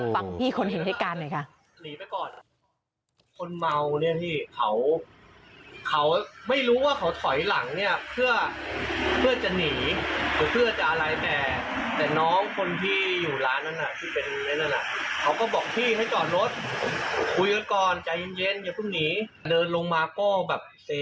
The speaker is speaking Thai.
ฟังพี่คนเห็นเหตุการณ์หน่อยค่ะ